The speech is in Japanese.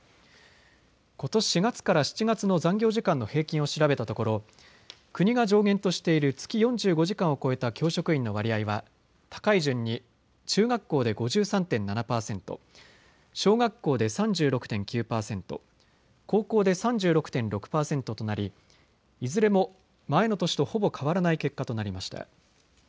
ことし４月から７月の残業時間の平均を調べたところ国が上限としている月４５時間を超えた教職員の割合は高い順に中学校で５３．７％、小学校で３６．９％、高校で３６．６％となりいずれも前の年とほぼ変わらない結果となりました。